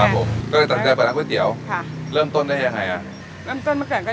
ครับผมก็เลยตั้งใจเปิดร้านก๋วยเตี๋ยวค่ะเริ่มต้นได้ยังไงอ่ะ